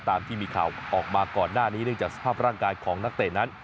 ตามที่มีข่าวออกมาก่อนหน้านี้เนื่องจากสภาพร่างกายของนักเตะนั้น